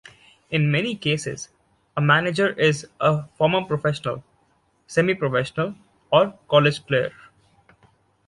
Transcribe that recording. In many cases, a manager is a former professional, semi-professional or college player.